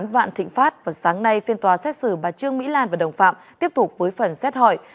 vạn thịnh pháp vào sáng nay phiên tòa xét xử bà trương mỹ lan và đồng phạm tiếp tục với phần xét hỏi